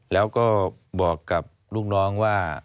แล้วก็บอกกับลูกน้องว่า